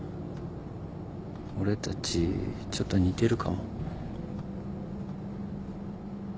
俺たちちょっと似てるかも。